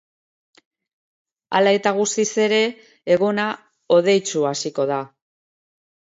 Hala eta guztiz ere, eguna hodeitsu hasiko da.